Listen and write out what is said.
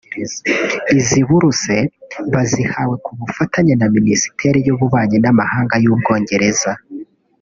Izi buruse bazihawe ku bufatanye na Minisiteri y’Ububanyi n’Amahanga y’u Bwongereza